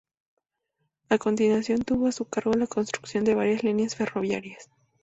A continuación, tuvo a su cargo la construcción de varias líneas ferroviarias.